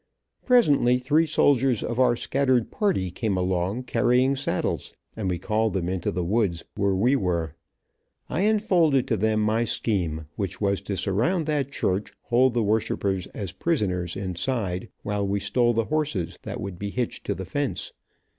Presently three soldiers of our scattered party came along carrying saddles, and we called them into the woods, where we were. I unfolded to them my scheme, which was to surround that church, hold the worshippers as prisoners inside, while we stole the horses that would be hitched to the fence.